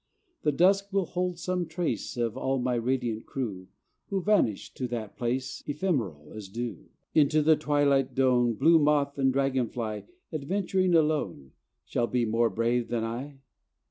The dusk will hold some trace Of all my radiant crew Who vanished to that place, Ephemeral as dew. Into the twilight dun, Blue moth and dragon fly Adventuring alone, Shall be more brave than I?